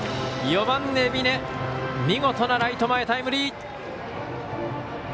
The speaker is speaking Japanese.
４番、海老根見事なライト前タイムリー。